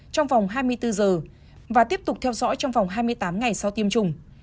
trong vòng hai mươi bốn giờ và tiếp tục theo dõi trong vòng hai mươi tám ngày sau tiêm chủng